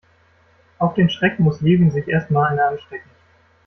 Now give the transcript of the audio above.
Auf den Schreck muss Levin sich erst mal eine anstecken.